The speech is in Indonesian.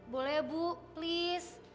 boleh ya bu please